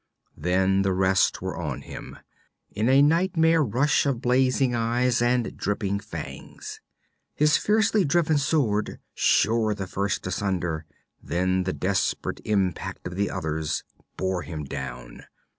Then the rest were on him, in a nightmare rush of blazing eyes and dripping fangs. His fiercely driven sword shore the first asunder; then the desperate impact of the others bore him down.